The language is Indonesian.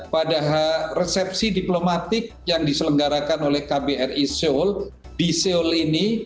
pada resepsi diplomatik yang diselenggarakan oleh kbri seoul di seoul ini